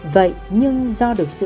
vậy nhưng do được xây dựng